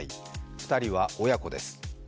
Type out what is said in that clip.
２人は親子です。